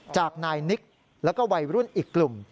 จากนายนิกแล้วก็วัยรุ่นอีกกลุ่ม